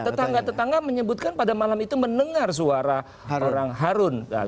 tetangga tetangga menyebutkan pada malam itu mendengar suara orang harun